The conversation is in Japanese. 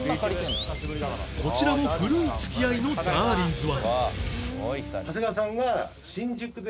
こちらも古い付き合いのだーりんずは